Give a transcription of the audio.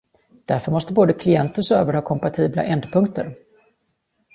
Därför måste både klient och server ha kompatibla ändpunkter.